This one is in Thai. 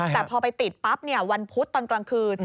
แต่พอไปติดปั๊บวันพุธตอนกลางคืน